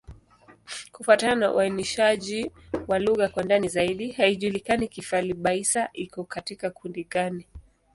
Kufuatana na uainishaji wa lugha kwa ndani zaidi, haijulikani Kifali-Baissa iko katika kundi gani.